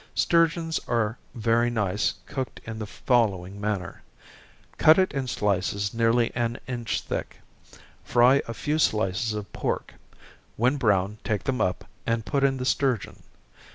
Sturgeons are very nice, cooked in the following manner. Cut it in slices nearly an inch thick fry a few slices of pork when brown, take them up, and put in the sturgeon.